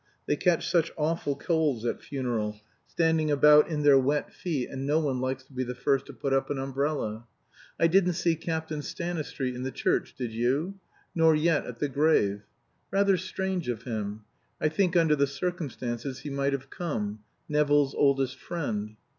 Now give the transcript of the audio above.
They catch such awful colds at funerals, standing about in their wet feet, and no one likes to be the first to put up an umbrella. I didn't see Captain Stanistreet in the church did you? nor yet at the grave. Rather strange of him. I think under the circumstances he might have come Nevill's oldest friend.